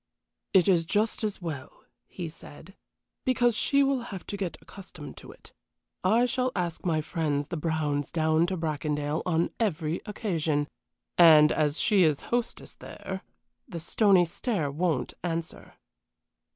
"It is just as well," he said, "because she will have to get accustomed to it. I shall ask my friends the Browns down to Bracondale on every occasion, and as she is hostess there the stony stare won't answer."